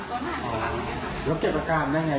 ตอนนี้ก็สามตัวบ้างและก็สามตัวหน้ามาที่ข้าง